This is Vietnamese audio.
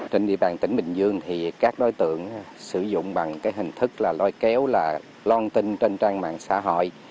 trên địa bàn tỉnh bình dương thì các đối tượng sử dụng bằng cái hình thức là lôi kéo là loan tin trên trang mạng xã hội